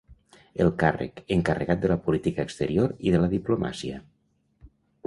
El càrrec: encarregat de la política exterior i de la diplomàcia.